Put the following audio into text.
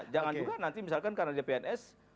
jangan juga nanti misalkan karena dia pns